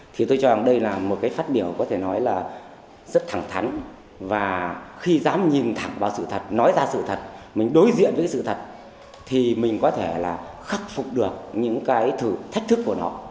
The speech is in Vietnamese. thì tôi cho rằng đây là một cái phát biểu có thể nói là rất thẳng thắn và khi dám nhìn thẳng vào sự thật nói ra sự thật mình đối diện với sự thật thì mình có thể là khắc phục được những cái thử thách thức của nó